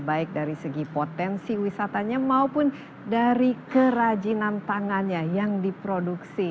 baik dari segi potensi wisatanya maupun dari kerajinan tangannya yang diproduksi